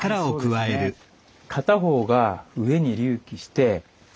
はいそうですね。